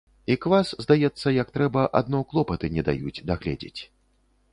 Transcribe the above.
І квас, здаецца, як трэба, адно клопаты не даюць дагледзець.